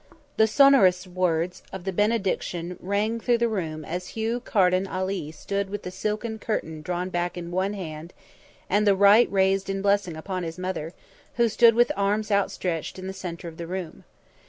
The sonorous words, of the benediction rang through the room as Hugh Carden Ali stood with the silken curtain drawn back in one hand and the right raised in blessing upon his mother, who stood with arms outstretched in the centre of the room.